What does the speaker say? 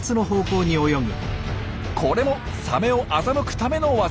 これもサメを欺くためのワザ。